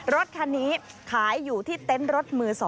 รถคันนี้ขายอยู่ที่เต็นต์รถมือ๒